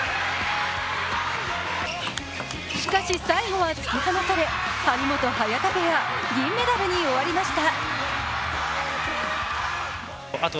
しかし、最後は突き放され、張本・早田ペア銀メダルに終わりました。